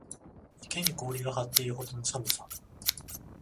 池に氷が張っているほどの寒さ